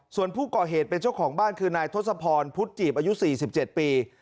ส่วนผู้ก่อเหตุเป็นเจ้าของบ้านคือนายทศพรพุทธจีบอายุ๔๗ปี